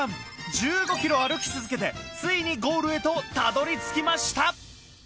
１５ｋｍ歩き続けてついにゴールへとたどり着きました